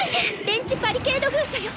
電磁バリケード封鎖よ！